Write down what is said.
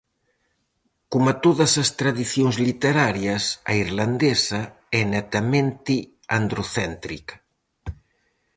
Coma todas as tradicións literarias, a irlandesa é netamente androcéntrica.